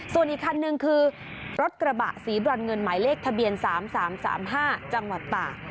ส่วนอีกคันนึงคือรถกระบะสีบรอนเงินหมายเลขทะเบียน๓๓๕จังหวัดตาก